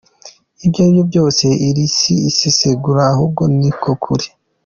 Ibyo ari byo byose, iri si isesengura ahubwo niko kuri.